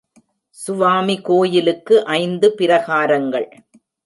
சுவாமி கோயிலுக்கு ஐந்து பிரகாரங்கள்.